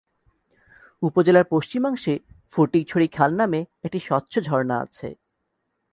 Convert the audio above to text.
উপজেলার পশ্চিমাংশে ফটিকছড়ি খাল নামক একটি স্বচ্ছ ঝর্ণা আছে।